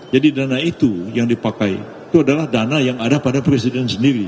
jadi dana itu yang dipakai itu adalah dana yang ada pada presiden sendiri